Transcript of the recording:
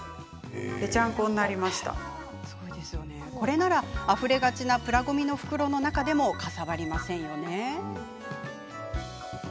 これなら、あふれがちなプラごみの袋の中でもかさばりませんよね。